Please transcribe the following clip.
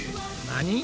何！？